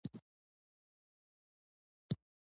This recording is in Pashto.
ببۍ له فرشي اشدارې راپورته شوه، سودا یې وه.